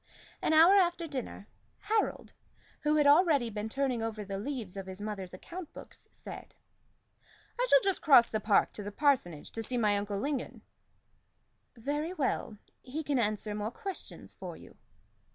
An hour after dinner, Harold, who had already been turning over the leaves of his mother's account books, said "I shall just cross the park to the parsonage to see my uncle Lingon." "Very well. He can answer more questions for you."